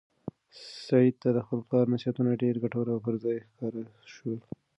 سعید ته د خپل پلار نصیحتونه ډېر ګټور او پر ځای ښکاره شول.